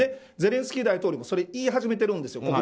ゼレンスキー大統領もそれを言い始めてるんですよ。